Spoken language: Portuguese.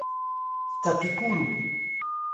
Itapicuru